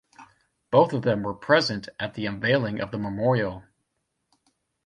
Both of them were present at the unveiling of the memorial.